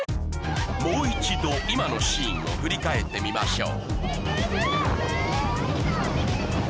もう一度今のシーンを振り返ってみましょう